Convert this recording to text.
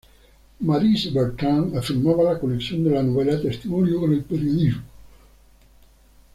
Maryse Bertrand afirmaba la conexión de la novela testimonio con el periodismo.